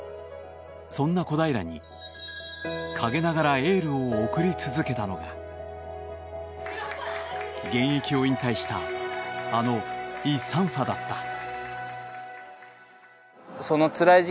そんな小平に陰ながらエールを送り続けたのが現役を引退したあのイ・サンファだった。